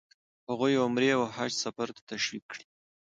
هغوی عمرې او حج سفر ته تشویق کړي.